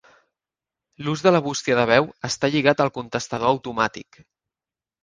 L'ús de la bústia de veu està lligat al contestador automàtic.